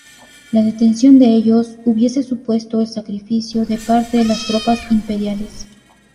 La detención de ellos hubiese supuesto el sacrificio de parte de las tropas imperiales.